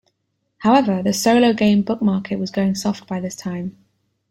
However, the solo game book market was going soft by this time.